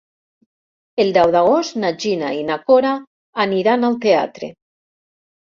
El deu d'agost na Gina i na Cora aniran al teatre.